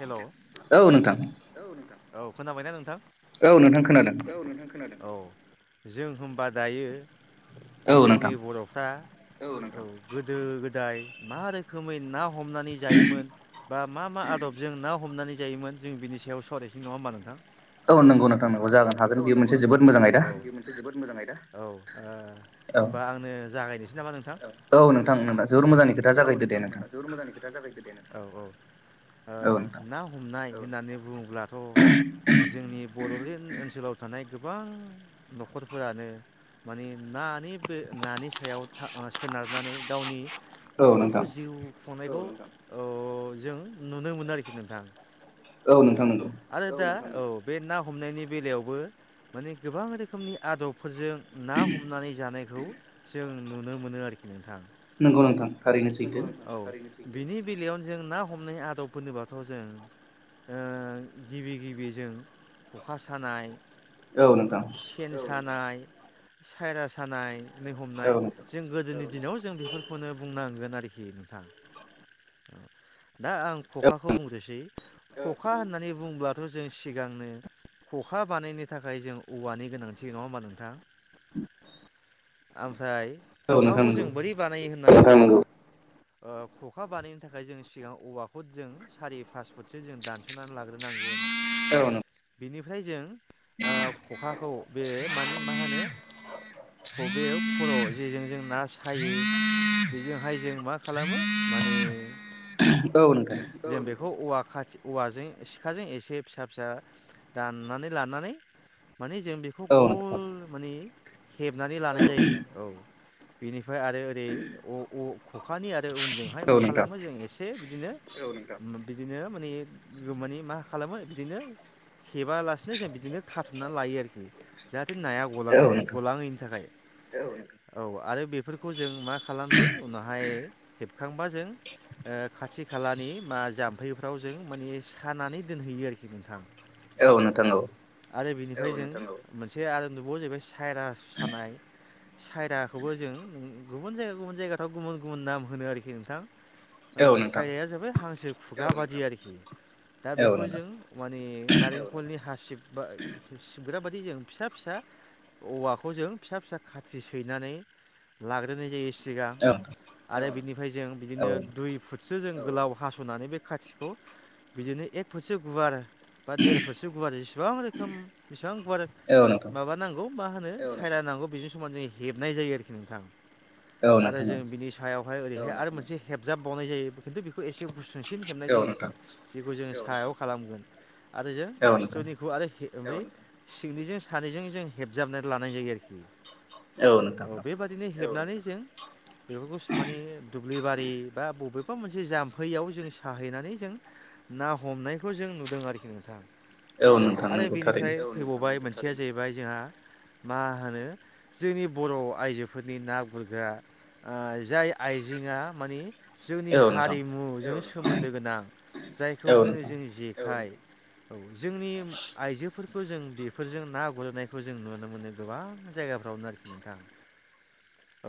हेल' औ नोंथां औ खोनाबायना नोंथां। औ नोंथां खोनादों। जों होनबा दायो जोंनि बर'फ्रा औ - औ गोदो- गोदाय मा रोखोमै ना हमनानै जायोमोन बा मा - मा आदबजों ना हमनानै जायोमोन जों बिनि सायाव सावरायनोसैय नङा होमबा नोंथां। औ नंगौ नोंथां नंगौ जागोन बे मोनसे जोबोद मोजां आयदा औ। होमबा आंनो जागायनोसै नामा नोंथां। औ नोंथां जोबोर मोजांनि खोथा जागाय औ- औ ना हमनाय होननानै बुङोब्लाथ' जोंनि बरड'लेण्ड ओनसोलाव थानाय गोबां न'खरफोरानो माने नानि बे नानि सायाव सोनारनानै गावनि न'खरखौ जिउ खुंनायखौ जों नुनो मोनो आरोखि नोंथां औ आरो दा। औ बे ना हमनायनि बेलायावबो माने गोबां रोखोमनि आदबफोरजों ना हमनानै जानायखौ जों नुनो मोनो आरोखि नोंथां। औ बिनि बेलायावनो जों ना हमनाय आदब होनोबाथ' जों गिबि गिबि जों खखा सानाय। सेन सानाय सायरा सानाय। हमनाय जों गोदोनि दिनाव जों बेफोरखौनो आरोखि नोंथां दा आं ख'खाखौ बुंनोसै। अखा होननानै बुंब्लाथ' जों सिगांनो। ख'खा बानायनो थाखाय जों औवानि गोनांथि नङा होमबा नोंथां? ओमफ्राय ख'खाखौ जों बोरै बानायो होननानै ओ ख'खा बानायनो थाखाय जों सिगां औवाखौ जों सारि पास फुटसो जों दानस'नानै लाग्रोना नांगोन बेनिफ्राय जों ओ ख'खाखौ बे माने मा होनो? [unintelligible] खर' जेजों जों ना सायो। बेजोंहाय जों मा खालामो माने औ नोंथां। औ औवा खाथि औवाजों सिखाजों एसे फिसा फिसा दाननानै लानानै माने जों बेखौ गल माने हेबनानै लानाय जायो औ बेनिफ्राय आरो ओरै अ अ ख'खानि आरो उनजोंहाय मा खालामो जों एसे बिदिनो बिदिनो माने माने मा खालामो बिदिनो हेबालासिनो जों बिदिनो खाथुमनानै लायो आरोखि। जाहाथे नाया गलांनायनि गलाङैनि थाखाय औ आरो बेफोरखौ जों मा खालामसै उनावहाय हेबखांबा जों ओ खाथि खालानि बा जाम्फैफ्राव जों माने सानानै दोनहैयो आरोखि नोंथां। [inaudible] औ नोंथां औ। आरो बिनिफ्राय जों मोनसे आरो नुुबावो जाहैबाय सायरासानाय सारायखौबो जों नंगौ। गुबुन जायगा गुबुन जायगााफोराव गुबुन गुबुन नाम होनो आरोखि नोंथां ओ सायराया जाबाय हांसो खुगा बादि आरोखि। दा बेखौ जों माने नारेंखलनि हासिब बा सिबग्रा बादि जों फिसा फिसा औवाखौ जों फिसा फिसा खाथि सैनानै लाग्रोनाय जायो सिगां। आरो बिनिफ्राय जों बिदिनो दुइ फुटसो जों गोलाव हास'नानै बे खाथिखौ बिदिनो एक फुटसो गुवार बा देर फुटसो गुवार जेसेबां रोखोम बेसेबां गुवार माबा नांगौ मा होनो सायना नांगौ बिनि समाव जों हेबनाय जायो आरोखि नोंथां। आरो जों बिनि सायावहाय ओरैहाय आरो मोनसे हेबजाब बावनाय जायो खिन्थु बेखौ एसे गुसुंसिन हेबनाय जायो आरोखि जेखौ जों सायाव खालामगोन। आरो जो खुथिनिखौ आरो हे सिंनिजों सानैजों जों हेबजाबनानै लानाय जायो आरोखि। [inaudible] औ नोंथां। हेबनानै जों बेफोरखौस माने दुब्लि बारि बा बबेबा मोनसे जाम्फैयाव जों साहैनानै जों ना हमनायखौ जों नुदों आरोखि नोंथां आरो बेनिफ्राय फैबावबाय मोन मोनसेया जाहैबाय जोहा मा होनो जोंनि बर'आइजो फोरनि ना गुरग्रा ओ जाय आइजेङा माने जोंनि हारिमुजों सोमोन्दो गोनां जायखौ होनो जों जेखाइ। औ जोंनि आइजोफोरखौ जों बेफोरजों ना गुरनायखौ जों नुनो मोनो गोबां जायगा जायगाफोरनावखि नोंथां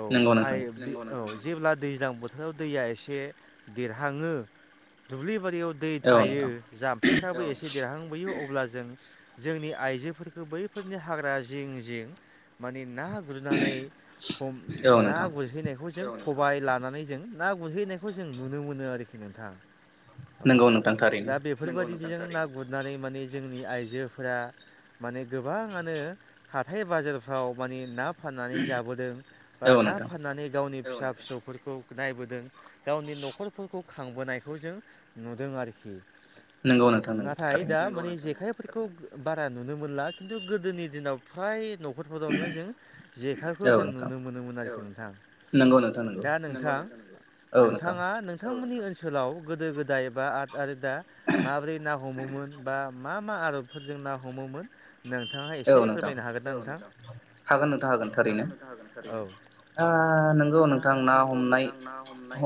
औ आइ औ। जेब्ला दैज्लां बोथोराव दैया एसे देरहाङो दुब्लि बारियाव दै थायो जाम फख्रिफ्राबो एसे देरहांबोयो अब्ला जों जोंनि आइजोफोरखो बैफोरनि हाग्रा जिं जिं माने ना गुरनानै हम ना गुरहैनायखौ जों खबाय लानानै जों ना गुरहैनायखौ जों नुनो मोनो आरोखि। नोंथां औ दा बेफोरबायदिजों ना गुरनानै माने जोंनि आइजोफोरा माने गोबाङानो हाथाय बाजारफ्राव माने ना फाननानै जाबोदों। बा ना फाननानै गावनि। फिसा फिसौफोरखौ नायबोदों गावनि नखरफोरखौ खांबोनायखौ जों नुदों आरोखि। नाथाय दा माने जेखाय। फोरखौ बारा नुनो मोनला खिन्थु गोदोनि दिनाव फ्राय नखरफोरावनो जों। जेखायखौ जों। नुनो मोनोमोन आरोखि नोंथां दा नोंथां नोंथांङा नोंथांमोननि। ओनसोलाव गोदो गोदाय बा दा माबोरै ना हमोमोन बा मा मा आदबफोरजों। ना हमोमोन नोंथांङा एसे फोरमायनो हागोन ना नोंथां हागोन नोंथां हागोन। औ। नंगौ नोंथां ना हमनाय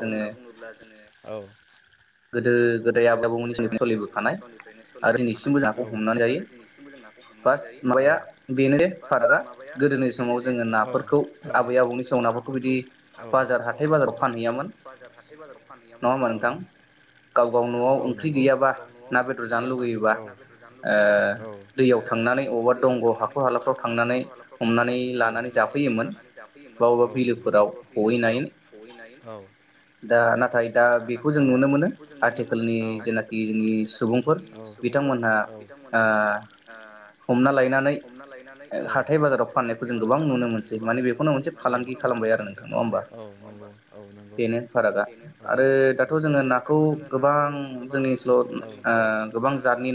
होनना बुङोब्ला जोंङो। [inaudible] गोदो गोदाय आबै आबौमोननि समनिफ्रायनो सोलिबोबाय थानाय आरो दिनैसिमबो जों नाखौ। बास माबाया बेनो फारागआ गोदोनि समाव जोंङो। समाव जोंङो नाफोरखौ आबै आबौनि समाव नाफोरखौ बिदि बाजार हाथाय बाजार। फानहैयामोन औ। नङा होमा नोंथां औ गाव गाव नआव ओंख्रि गैयाबा ना बेदर जानो लुबैयोबा। बबेबा दंग हाखर हालाफ्राव सारनानै। हमनानै लायनानै जाफैयोमोन बबेबा बबेबा बिलोफोराव हमहैनाय। दा नाथाय दा बेखौ जों नुनो मोनो। आथिखालनि जेनाखि जोंनि सुबुंफोर बिथांमोनहा। हमना लायनानै हाथाय बाजाराव फाननायखौ जों गोबां। नुनो मोनसै माने बेखौनो मोनसे फालांगि खालामबाय आरो नोंथां नङा होमबा बेनो फारागा। आरो दाथ जोंङो नाखौ। जोंङो नाखौ गोबां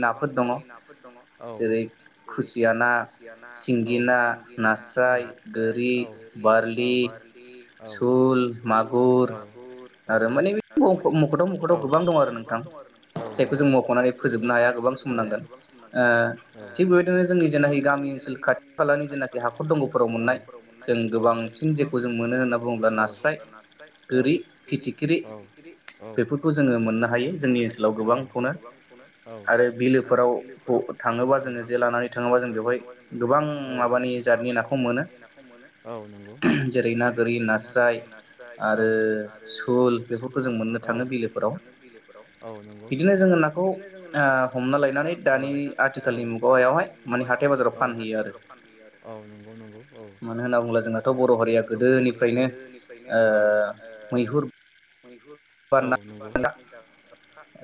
गोबां जातनि नाफोर दङ। खुसिया ना सिंगि ना नास्राय। औ हास्राय आरि औ बारलि आरो सल मागुर। आरो माने मखथाव। नखराव नखराव गोबां दं आरो नों जायखौ जों मखनानै फोजोबनो हाया गोबां सम नांगोन। थिग बेबायदिनो जोंनि जेनाखि गामि ओनसोल खाथि खालानि जेनाखि हाखर दं। हाखर हाखरफोराव मोननाय जों गोबांसिन जेखौ जों मोनो होनना बुङोब्ला नास्राय ओरै। औ औ। बेफोरखौ जोंङो मोननो हायो जोंनि ओनसोलाव गोबांखौनो आरो बिलोफोराव। जे लानानै थांङोबा जों बेवहाय गोबां जातनि नाखौ। जातनि नाखौ मोनो औ नंगौ जेरै ना गोरि नास्राय औ आरो। [inaudible] बेफोरखौ जों मोननो थाङो बिफोराव। बिलोफोराव नंगौ बिदिनो जोंङो नाखौ हमलायनानै। आथिखालनि मुगायावहाय हाथाय बाजाराव फानहैयो आरो। औ नंगौ औ मानो होनना बुङोब्ला जोंनाथ बर हारिया गोदोनिफ्रायनो औ। औ नंगौ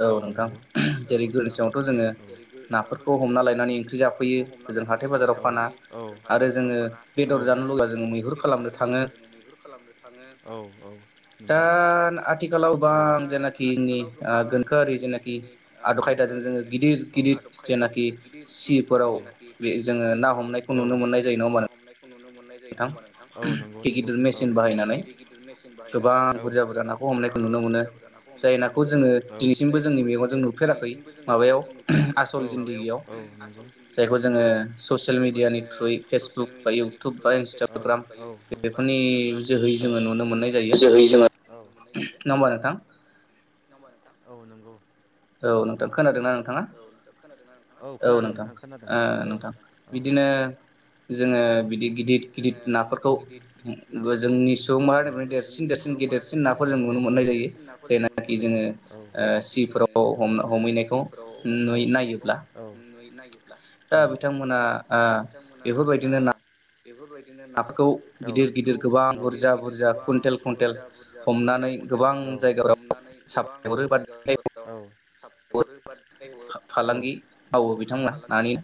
औ नंगौ औ औ। गोदोनि समावथ जोंङो नाफोरखौ हमना लायनानै ओंख्रि जाफैयो जों हाथाय बाजाराव। फाना औ आरो जोंङो बेदर जानो लुबैबा जोंङो मैहुर खालामनो थांङो औ औ नंगौ। [inaudible] आथिखालाव बा माने जेनाखि जोंनि गोनोखोआरि जेनाखि आदब खायदाजों जोंङो गिदिर गिदिर। खायदाजों जोंङो गिदिर गिदिर जेनाखि जेफोराव जोंङो ना। नुनो मोननाय। जायो नङा होमबा नोंथां औ नंगौ नंगौ औ गिदिर गिदिर मेसिन बाहायनानै औ गोबां। बुरजा बुरजा नाखौ हमनायखौ जों नुनो मोनो जाय नाखौ जोंङो दिनैसिमबो जोंनि मेगनजों नुफेराखै। जायखौ जोंङो ससियेल मिडियानि थ्रुयै फेसबुक बा इउथिउबनि। बा इन्स्टाग्राम बेफोरनि जोहै जोंङो नुनो मोननाय जायो। नंआ होनबा नोंथां औ नंगौ औ नोंथां खोनादोंना नोंथाङा औ नोंथां नोंथां बिदिनो। नों जोंङो बिदि गिदिर गिदिर नाफोरखौ जोंनि सुबुंमाहानिफ्राय देरसिन देरसिन गिदेरसिन नाफोर जों नुनो मोननाय जायु जेंनानि जों ओ सि फोराव औ ओ सि हम औ हमहैनायखौ [unintelligible] नागिरब्ला औ दा बिथांमोना ओ बेफोरबायदिनो नाफोरखौ गिदिर गिदिर गोबां बुरजा बुरजा कुइटेल औ हमनानै गोबां जायगाफोराव साफलाय हरो बा फांगि मावो बिथांमोना नानि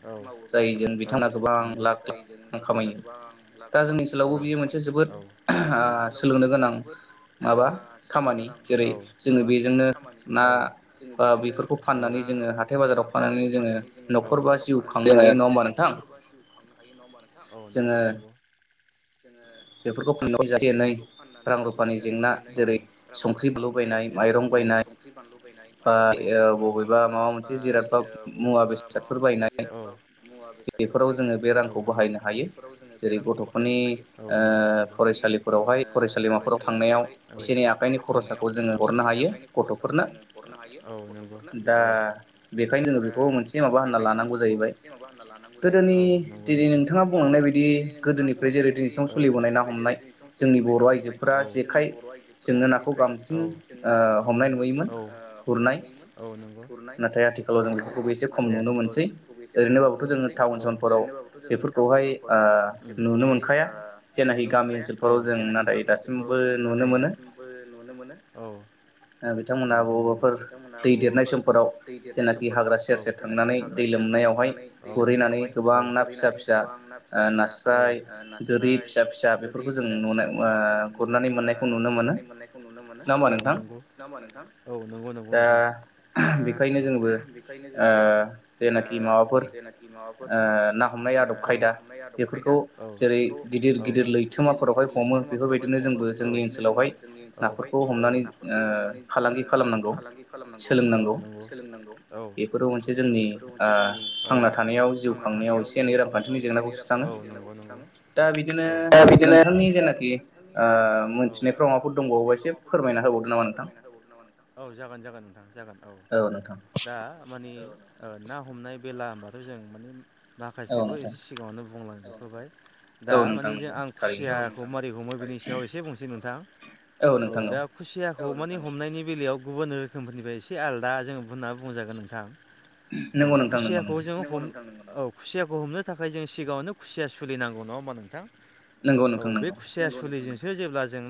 जायजों बिथांमोना गोबां लाख लाख बिथांमोना गोबां लाख लाख रां खामायो दा जोंनि ओनसोलावबो बियो मोनसे जोबोद सोलोंनो जेरै जोङो बेजोंनो ना बेफोरखौ फाननानै जोङो हाथाय बाजाराव फा फाननानै जोङो हाथाय बाजार आव फानो जोंओ नंआ होनबा नोंथां औ नंगौ नंगौ। बेफोरखौ खुं जाहे नै रां रुफानि जेंना जेरै संख्रि बानलु बायनाय। जेरै औ संख्रि बानलु मायरं बायनाय नंगौ ओ मबेबा माबा मोनसे जिराद बा‌ मुवा बेफोराव जोङो बे रांखौ बाहायनो हा हायो जेरै गथ'फोरनि फरायसालिफोरावहाय फरायसालिमाफोराव थांनायाव बिसोरनि आखाइनि खरसाखौ जोङो हरनो हायो गथ'फोरनो [inaudible] गोदोनि दिनै नोंथ। बिथाङा बुंलांनाय बायदि गोदोनिफ्राय जेरै दिनैसिमाव सोलिबोनाय ना हमनाय जोंनि बर' आइजोफोरा जेखाय जोंनो नाखौ गामसिन हमनाय नुयोमोन हमनाय नुयोन गुरनाय नाथाय आथिखालाव जों बेफोरखौ एसे खम नुनो मोनो ओरैनो बाबोथ जोङो टाउन सहोर फोराव बेफोरखौहाय नुनो मोनखाया जेनाखि गामि ओनसोलफोराव जों न दासिमबो नुनो मोनो औ बिथांमोना बबावबाफोर दै देरनाय समफोराव जेनाखि हाग्रा सेर सेर थांनानै दै लोमनायावहाय गुरहैनानै गोबां ना फिसा फिसा। गोबां ना फिसा फिसा नास्राय गोरि फिसा फिसा बेफोरखौ जों नुनाय। गुरनानै मोननायखौ नुनो मोनो औ नंगौ नांआ होनबा नोंथां औ नंगौ नंगौ नोंथां दा औ बेखायनो जोबो माबाफोर ना हमनाय आदब खायदा बेफोरखौ जेरै गिदिर गिदिर लैथोमाफोरावहाय हमो बेफोरबायदिनो जोंबो जोंनि ओनसोलावहाय जोंनि ओनसोलआव हाय खौ हमनानै फालांगि खालामनांगौ सोलोंनांगौ बे थांना थानायाव जिउ खांनायाव एसे एनै र एसे एनै रांनि जेंनाखौ सुसरांओ दा बिदिनो नोंथांनि जेनाखि मिथिनायफ्राव माबाफोर दंबावोबा एसे फोरमायना होबावदों नामा फोरमायना होबावगोन नामा नोंथां औ जागोन जागोन नोंथां जागोन औ दा मानि ना हमनाय बेला होमबाथ' जों बेखौ एसे सिगाङावनो बुंलांजोबखाबाय। दा मानि जों आं खुसियाखौ मारोरै हमो बेनि सायाव एसे बुंसै नोंथां औ दा खुसिया औमानि हमनायनि बेलायाव गुबुन रोखोमफोरनिफ्राय एसे आलादा जोंङ होनना बुंजागोन नोंथां औ खुसियाखौ जों औ खुसियाखौ हमनो थाखाय जों सिगाङावनो खुसिया सुलिनांगौ नङा होमबा नोंथां औ बे खुसिया सोलिजोंसै बोथोर जेब्ला जों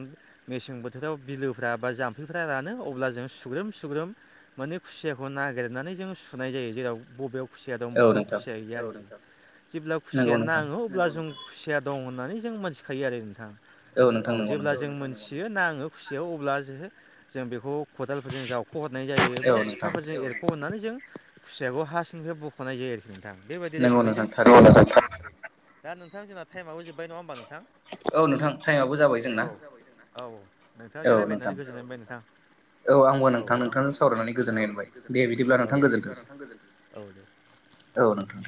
मेसें बोथोराव बिलोफ्रा बा जाम्फैफ्रा रानो अब्ला जों सुग्रोम सुग्रोम माने खुसियाखौ नागिरनानै जों सुनाय जायो जेराव बबेयाव खुसिया दं बबेयाव खुसिया गैया औ नोंथां। जेब्ला खुसिया नाङो अब्ला जों खुसिया दं होननानै जों मिथिखायो आरो नोंथां। औ जेब्ला जों मोनथियो नाङो खुसियाव अब्ला जोङो जों बेखौ। खदालफोरजों जावख' हरनाय जायो बा सिखाफोरजों एरख'हरनानै जों खुसियाखौ हाासिंनिफ्राय बख'नाय जायो आरोखि नोंथां बेबायदि रोखोमै जों खुसिया दा नोंथां नोंथां जोंना टाइमाबबो जोब्बाय नङा होमबा नोंथां औ नोंथां औ औ औ। नोंथांजों रायज्लायनानै गोजोननाय मोनबाय नोंथां। औ आंबो नोंथां नोंथां सावरायनानै गोजोननाय होनबाय दे बिदिब्ला नोंथां गोजोन्थोंसै। औ नोंथां।